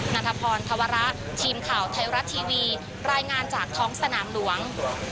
นัทพรธวระทีมข่าวไทยรัฐทีวีรายงานจากท้องสนามหลวง